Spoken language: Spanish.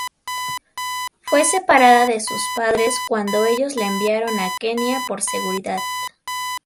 Fue separada de sus padres cuando ellos la enviaron a Kenia por seguridad.